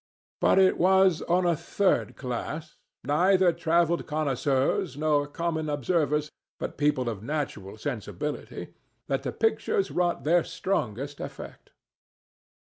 But it was on a third class—neither travelled connoisseurs nor common observers, but people of natural sensibility—that the pictures wrought their strongest effect.